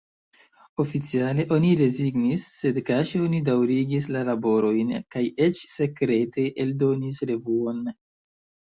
Oficiale, oni rezignis, sed kaŝe oni daŭrigis la laborojn kaj eĉ sekrete eldonis revuon.